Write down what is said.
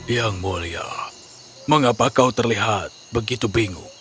yang mulia mengapa kau terlihat begitu bingung